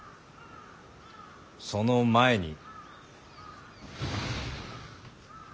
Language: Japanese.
その前に。